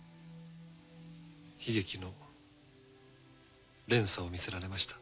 悲劇の連鎖を見せられました。